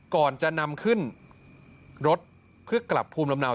ก่อนจะนำขึ้นรถเพื่อกลับภูมิลำเนา